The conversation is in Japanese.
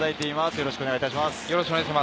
よろしくお願いします。